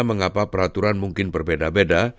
mengapa peraturan mungkin berbeda beda